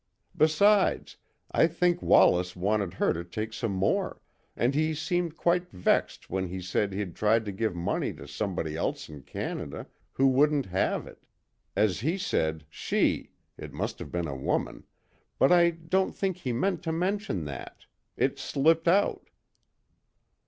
Besides, I think Wallace wanted her to take some more, and he seemed quite vexed when he said he'd tried to give money to somebody else in Canada, who wouldn't have it. As he said she it must have been a woman but I don't think he meant to mention that. It slipped out."